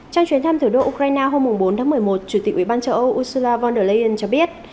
trong chuyến thăm thủ đô ukraine hôm bốn tháng một mươi một chủ tịch ủy ban châu âu ursula von der leyen cho biết